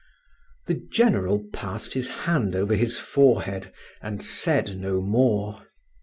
The General passed his hand over his forehead and said no more.